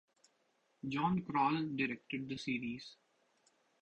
Jon Kroll directed the series.